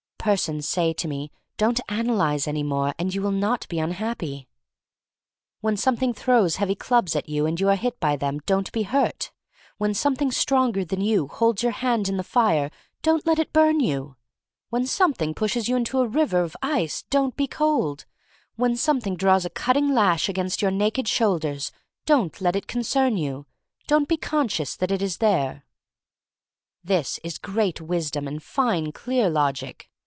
Persons say to me, don't analyze any more and you will not be unhappy. When Something throws heavy clubs at you and you are hit by them, don't be hurt. When Something stronger than you holds your hands in the fire, don't let it burn you. When Some thing pushes you into a river of ice, don't be cold. When something draws a cutting lash across your naked shoul 214 THE STORY OF MARY MAC LANE 215 ders, don't let it concern you — don't be conscious that it is there. This is great wisdom and fine, clear logic.